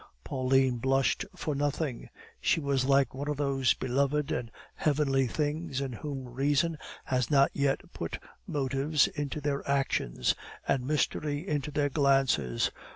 Pauline blushed for nothing; she was like one of those beloved and heavenly beings, in whom reason has not yet put motives into their actions and mystery into their glances.